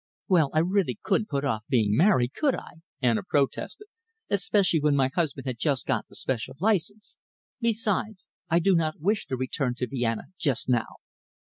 "Well, I really couldn't put off being married, could I," Anna protested, "especially when my husband had just got the special license. Besides, I do not wish to return to Vienna just now."